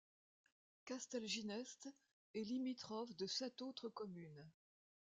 Castelginest est limitrophe de sept autres communes.